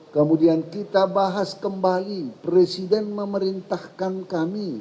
kemudian kita bahas kembali presiden memerintahkan kami